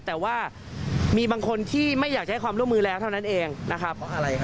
แต่ว่ามีบางคนที่ไม่อยากจะให้ความร่วมมือแล้วเท่านั้นเองนะครับ